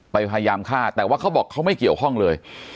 พยายามฆ่าแต่ว่าเขาบอกเขาไม่เกี่ยวข้องเลย